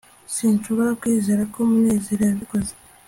sinshobora kwizera ko munezero yabikoze